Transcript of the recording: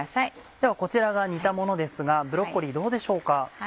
ではこちらが煮たものですがブロッコリーどうでしょうか？